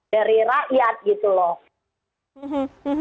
dari rakyat gitu loh